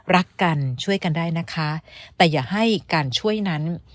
รักกันช่วยกันได้นะคะแต่อย่าให้การช่วยนั้น